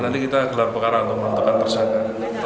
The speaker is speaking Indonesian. nanti kita gelar perkara untuk menentukan tersangka